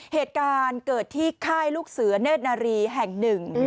เหตุการณ์เกิดที่ค่ายลูกเสือเนธนารีแห่งหนึ่ง